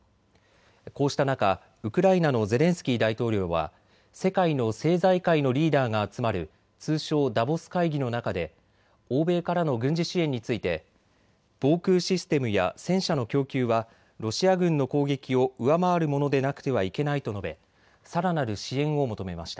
こうした中、ウクライナのゼレンスキー大統領は世界の政財界のリーダーが集まる通称ダボス会議の中で欧米からの軍事支援について防空システムや戦車の供給はロシア軍の攻撃を上回るものでなくてはいけないと述べさらなる支援を求めました。